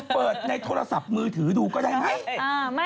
เปิดในโทรศัพท์มือถือดูก็ได้ไหม